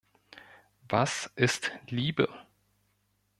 Was ist Liebe?